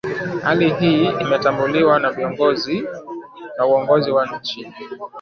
Hali hii imetambuliwa na uongozi wa nchi